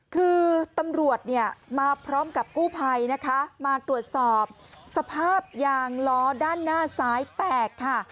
คือตำรวจเนี่ยมาพร้อมกับกู้ภัยนะคะมาตรวจสอบสภาพยางล้อด้านหน้าซ้ายแตกค่ะ